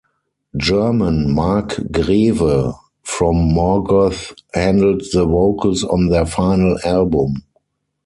German Marc Grewe, from Morgoth handled the vocals on their final album.